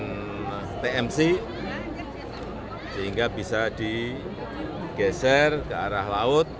dengan tmc sehingga bisa digeser ke arah laut